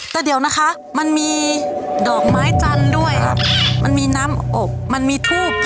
แต่เดี๋ยวนะคะมันมีดอกไม้จันทร์ด้วยมันมีน้ำอบมันมีทูบ